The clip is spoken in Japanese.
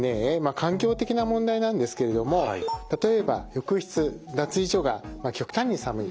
環境的な問題なんですけれども例えば浴室・脱衣所が極端に寒い。